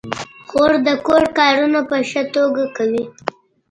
خور د کور کارونه په ښه توګه کوي.